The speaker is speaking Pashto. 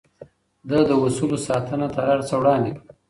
ده د اصولو ساتنه تر هر څه وړاندې کړه.